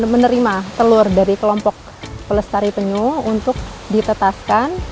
menerima telur dari kelompok pelestari penyu untuk ditetaskan